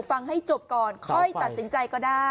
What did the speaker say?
ฟังให้จบก่อนค่อยตัดสินใจก็ได้